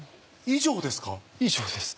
以上です。